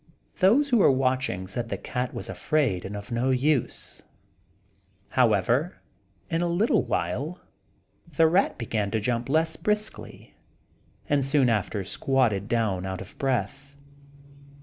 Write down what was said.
Those who were watching said the cat was afraid and of no use; however, in a little while the rat began to jump less briskly, and soon after squatted down out of breath.